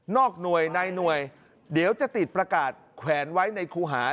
หน่วยในหน่วยเดี๋ยวจะติดประกาศแขวนไว้ในครูหา